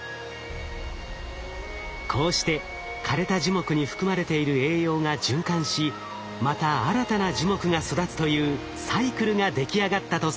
こうして枯れた樹木に含まれている栄養が循環しまた新たな樹木が育つというサイクルができ上がったとされています。